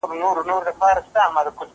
زه اوږده وخت ليکنه کوم!!